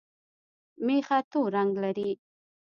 مېخه تور رنګ لري